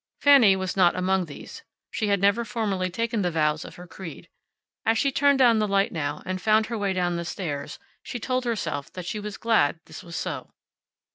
Fanny was not among these. She had never formally taken the vows of her creed. As she turned down the light now, and found her way down the stairs, she told herself that she was glad this was so.